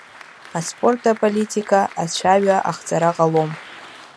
Аспорт аполитика ацәаҩа ахҵара ҟалом.